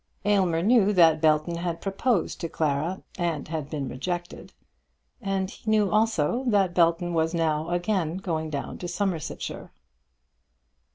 Aylmer knew that Belton had proposed to Clara and had been rejected; and he knew also that Belton was now again going down to Somersetshire.